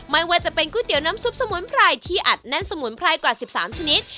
ไม่ว่าจะเป็นก๋วยเตี๋ยวน้ำซุปสมุนไพรที่อัดแน่นสมุนไพรกว่า๑๓ชนิด